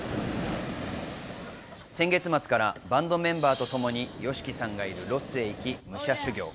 先月末からバンドメンバーとともにＹＯＳＨＩＫＩさんがいるロスへ行き、武者修行。